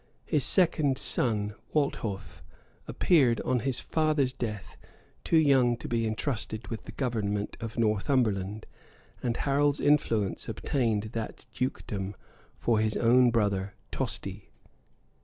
His second son, Walthoef, appeared, on his father's death, too young to be intrusted with the government of Northumberland; and Harold's influence obtained that dukedom for his own brother Tosti.